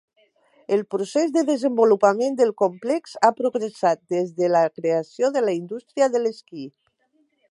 El procés de desenvolupament del complex ha progressat des de la creació de la indústria de l'esquí.